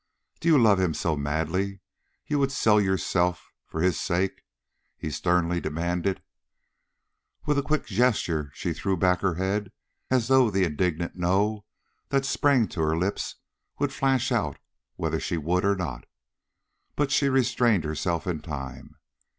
"Do you love him so madly you would sell yourself for his sake?" he sternly demanded. With a quick gesture she threw back her head as though the indignant "No" that sprang to her lips would flash out whether she would or not. But she restrained herself in time.